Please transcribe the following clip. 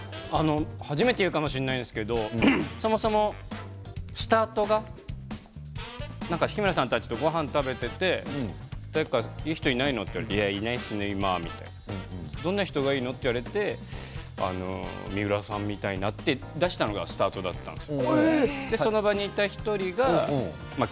初めて言うかもしれないんですけど、そもそもスタートが日村さんたちとごはんを食べていて今、いないの？と言われて今いないですねとどんな人がいいの？と言われてあの水卜さんみたいなと出したのがスタートだったんです。